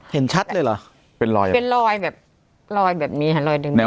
เห็นชัดเลยเหรอเป็นลอยแบบนี้ค่ะ